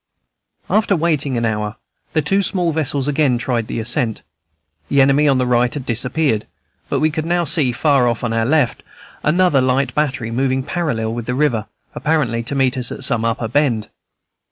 After waiting an hour, the two small vessels again tried the ascent. The enemy on the right had disappeared; but we could now see, far off on our left, another light battery moving parallel with the river, apparently to meet us at some upper bend.